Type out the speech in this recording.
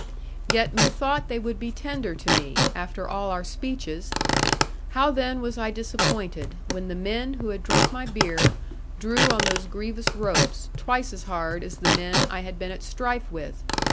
Yet methought they would be tender to me, after all our speeches: how then was I disappointed, when the men who had drunk my beer, drew on those grievous ropes, twice as hard as the men I had been at strife with!